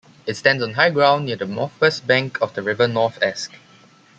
It stands on high ground, near the northwest bank of the river North Esk.